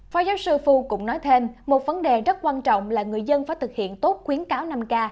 phó giáo sư phu cũng nói thêm một vấn đề rất quan trọng là người dân phải thực hiện tốt khuyến cáo năm k